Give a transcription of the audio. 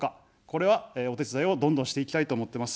これはお手伝いをどんどんしていきたいと思ってます。